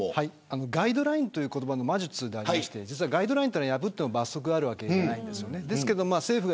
ガイドラインという言葉の魔術でありましてガイドラインは破っても罰則があるわけじゃないんです。